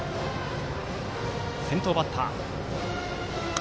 先頭バッター。